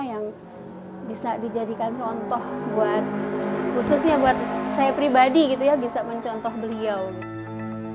yang bisa dijadikan contoh buat khususnya buat saya pribadi gitu ya bisa mencontoh beliau gitu